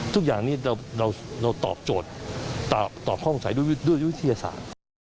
ทุกอย่างนี้เราเราเราตอบโจทย์ตอบตอบความคงใสด้วยด้วยวิทยาศาสตร์